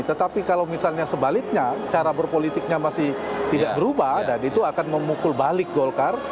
tetapi kalau misalnya sebaliknya cara berpolitiknya masih tidak berubah dan itu akan memukul balik golkar